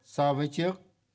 so với trước